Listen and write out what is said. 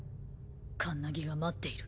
カンナギが待っている。